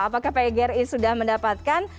apakah pgri sudah mendapatkan